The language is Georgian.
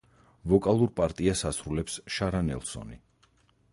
ვოკალურ პარტიას ასრულებს შარა ნელსონი.